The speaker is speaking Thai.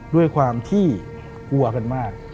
ด้วยความที่กลัวกันมาก